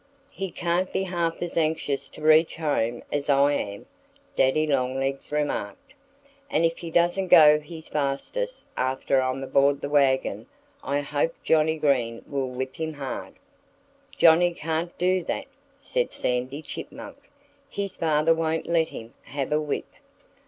"He can't be half as anxious to reach home as I am," Daddy Longlegs remarked. "And if he doesn't go his fastest after I'm aboard the wagon I hope Johnnie Green will whip him hard." "Johnnie can't do that," said Sandy Chipmunk. "His father won't let him have a whip."